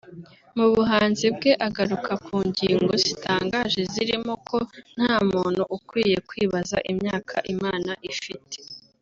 Mu buhanzi bwe agaruka ku ngingo zitangaje zirimo ko nta muntu ukwiye kwibaza imyaka Imana ifite